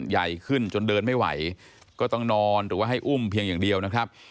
ใหญ่ขึ้นจนเดินไม่ไหวก็ต้องนอนหรือว่าให้อุ้มเพียงอย่างเดียวนะครับ